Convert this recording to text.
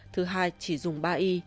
thứ hai chỉ dùng ba y